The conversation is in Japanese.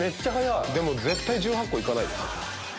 でも絶対１８個いかないですよ。